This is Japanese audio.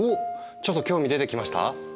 ちょっと興味出てきました？